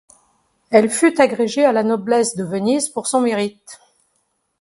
Elle fut agrégée à la noblesse de Venise pour son mérite.